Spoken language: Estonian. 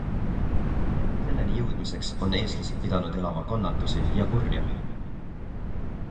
Selleni jõudmiseks on eestlased pidanud elama kannatusi ja kurja.